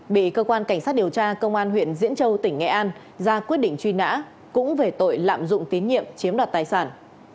bị cơ quan cảnh sát điều tra công an huyện diễn châu tỉnh nghệ an ra quyết định truy nã cũng về tội lạm dụng tín nhiệm chiếm đoạt tài sản